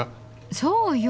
そうよ。